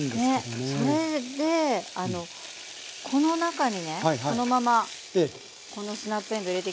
ねっそれでこの中にねこのままこのスナップえんどう入れていきたいんです。